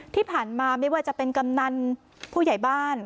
ที่ผ่านมาไม่ว่าจะเป็นกำนันผู้ใหญ่บ้าน